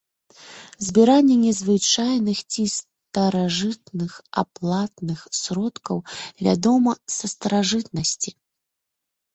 Збіранне незвычайных ці старажытных аплатных сродкаў вядома са старажытнасці.